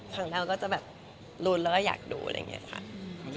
ครั้งแรกก็จะแบบรู้แล้วอยากดูอะไรอย่างนี้ค่ะ